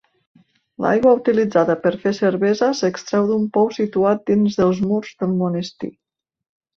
L'aigua utilitzada per fer cervesa s'extreu d'un pou situat dins dels murs del monestir.